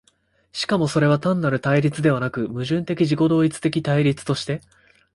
しかもそれは単なる対立ではなく、矛盾的自己同一的対立として、